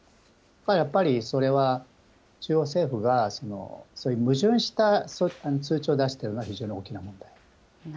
やっぱりそれは、中央政府が、そういう矛盾した通知を出してるのなるほど。